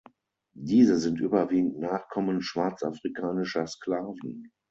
Diese sind überwiegend Nachkommen schwarzafrikanischer Sklaven.